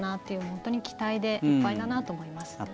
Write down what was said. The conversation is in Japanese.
本当に期待でいっぱいだなと思いますね。